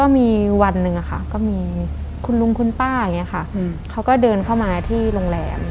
มีวันนึงคุณลุงคุณป้าเขาก็เดินเข้ามาที่โรงแรม